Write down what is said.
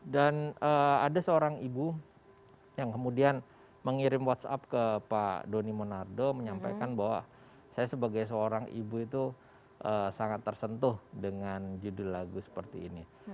dan ada seorang ibu yang kemudian mengirim whatsapp ke pak doni monardo menyampaikan bahwa saya sebagai seorang ibu itu sangat tersentuh dengan judul lagu seperti ini